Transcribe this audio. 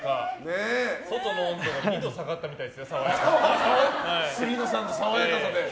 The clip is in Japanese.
外の温度が下がったみたいですね、爽やかで。